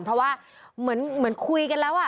เพราะว่าเหมือนคุยกันแล้ว